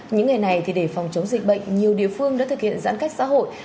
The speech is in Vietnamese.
những ngày này để phòng chống dịch bệnh nhiều địa phương đã thực hiện giãn cách xã hội